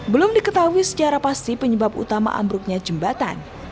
belum diketahui secara pasti penyebab utama ambruknya jembatan